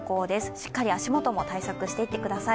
しっかり足元も対策していってください。